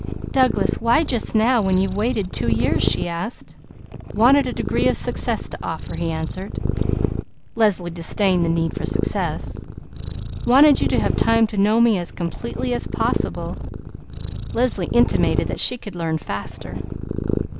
"Douglas, why just now, when you've waited two years?" she asked. "Wanted a degree of success to offer," he answered. Leslie disdained the need for success. "Wanted you to have time to know me as completely as possible." Leslie intimated that she could learn faster.